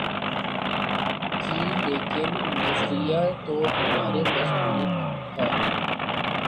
گی لیکن نظریہ تو ہمارا مضبوط ہے۔